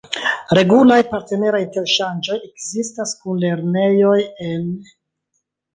Regulaj partneraj interŝanĝoj ekzistas kun lernejoj en...